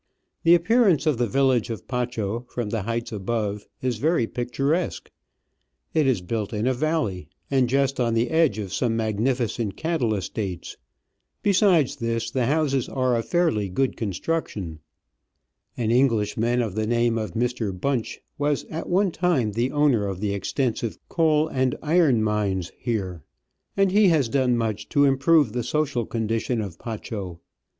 The appearance of the village of Pacho from the heights above is very picturesque : it is built in a valley, and just on the edge of some magnificent cattle estates ; besides this, the houses are of fairly good construction. An Englishman of the name of Mr. Bunch was at one time owner of the extensive coal and iron mines here, and he has Digitized by VjOOQIC 142 Travels and Adventures done much to improve the social condition of Pacho.